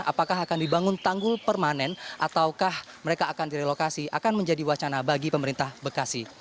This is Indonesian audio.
apakah akan dibangun tanggul permanen ataukah mereka akan direlokasi akan menjadi wacana bagi pemerintah bekasi